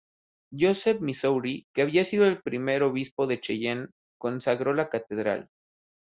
Joseph, Missouri, que había sido el primer obispo de Cheyenne consagró la catedral.